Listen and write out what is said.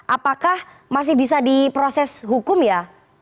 apakah masih bisa diproses hukum ya